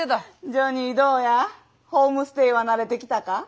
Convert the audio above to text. ジョニーどうやホームステイは慣れてきたか？